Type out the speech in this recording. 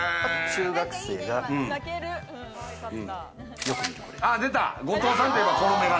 中学生が。